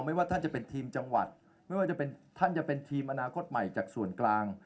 ว่าท่านจะเป็นทีมจังหวัดไม่ว่าจะเป็นท่านจะเป็นทีมอนาคตใหม่จากส่วนกลาง